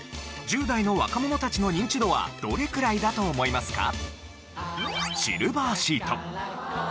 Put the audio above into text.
１０代の若者たちのニンチドはどれくらいだと思いますか？